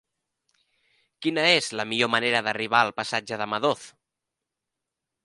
Quina és la millor manera d'arribar al passatge de Madoz?